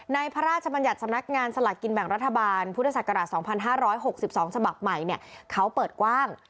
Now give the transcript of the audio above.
ในพระราชบัญญัติสำนักงานสลากกินแบ่งรัฐบาลพศ๒๕๖๒สมเขาเปิดกว้าง